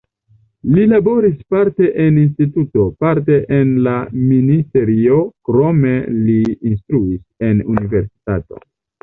Li laboris parte en instituto, parte en la ministerio, krome li instruis en universitato.